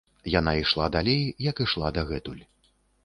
Яна ішла далей, як ішла дагэтуль.